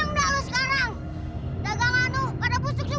kau tak akan datang kemari